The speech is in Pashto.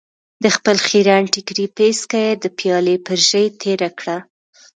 د خپل خيرن ټکري پيڅکه يې د پيالې پر ژۍ تېره کړه.